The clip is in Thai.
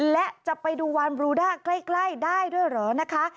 และจะไปดูวานบรูด้าใกล้ได้ด้วยเหรอนะคะ